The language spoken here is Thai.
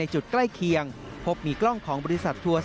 จุดใกล้เคียงพบมีกล้องของบริษัททัวร์